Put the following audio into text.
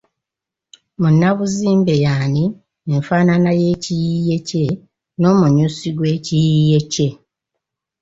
Munnabuzimbe y’ani, enfaanana y’ekiyiiye kye, n’omunyusi gw’ekiyiiye kye.